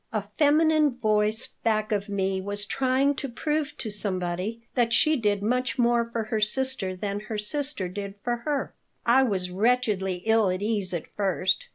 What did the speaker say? A feminine voice back of me was trying to prove to somebody that she did much more for her sister than her sister did for her. I was wretchedly ill at ease at first.